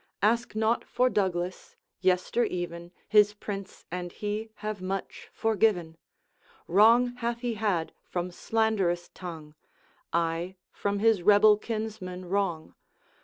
Ask naught for Douglas; yester even, His Prince and he have much forgiven; Wrong hath he had from slanderous tongue, I, from his rebel kinsmen, wrong.